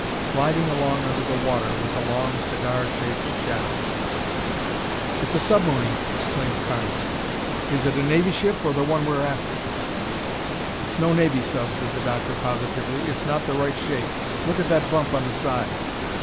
Sliding along under the water was a long cigar shaped shadow. "It's a submarine!" exclaimed Carnes. "Is it a navy ship or the one we're after?" "It's no navy sub," said the doctor positively. "It's not the right shape. Look at that bump on the side!"